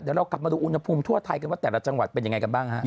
เดี๋ยวเรากลับมาดูอุณหภูมิทั่วไทยกันว่าแต่ละจังหวัดเป็นยังไงกันบ้างฮะ